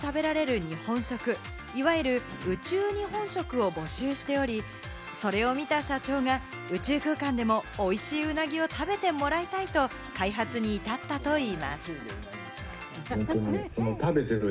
ＪＡＸＡでは宇宙で食べられる日本食、いわゆる宇宙日本食を募集しており、それを見た社長が宇宙空間でも美味しいうなぎを食べてもらいたいと開発に至ったといいます。